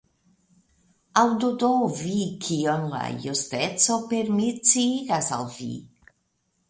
Aŭdu do vi, kion la justeco per mi sciigas al vi!